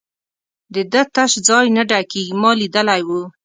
د ده تش ځای نه ډکېږي، ما لیدلی وو.